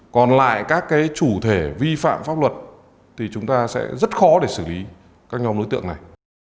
còn lại các chủ thể vi phạm pháp luật thì chúng ta sẽ rất khó để xử lý các nhóm đối tượng này